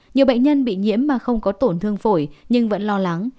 nhiều bệnh nhân bị nhiễm mà không có tổn thương phổi nhưng vẫn lo lắng